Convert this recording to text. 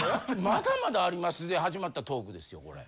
まだまだありますで始まったトークですよこれ。